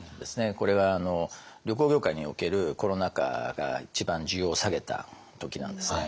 これは旅行業界におけるコロナ禍が一番需要を下げた時なんですね。